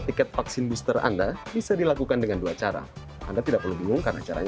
tiket vaksin booster anda bisa dilakukan dengan dua cara anda tidak perlu bingung karena caranya